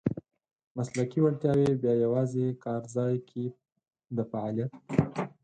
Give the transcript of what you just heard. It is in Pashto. مسلکي وړتیاوې بیا یوازې کارځای کې د فعالیت .